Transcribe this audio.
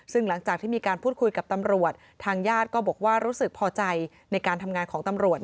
ซึ่งหลังจากที่มีการพูดคุยกับตำรวจทางญาติก็บอกว่ารู้สึกพอใจในการทำงานของตำรวจ